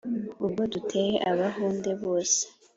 Ubwo duteye abahunde bose